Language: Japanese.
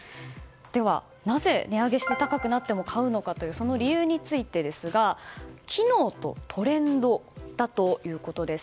では、なぜ値上げして高くなっても買うのかというその理由についてですが機能とトレンドだということです。